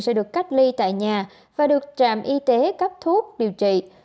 sẽ được cách ly tại nhà và được trạm y tế cấp thuốc điều trị